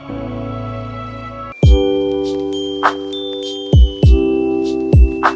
aku bersyukur padamu ya allah